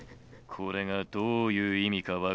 「これがどういう意味か分かるな？